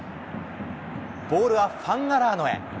ボールはファンアラーノへ。